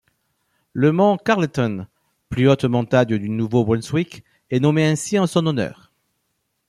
Le Mont Carleton, plus haute montagne du Nouveau-Brunswick, est nommé ainsi en son honneur.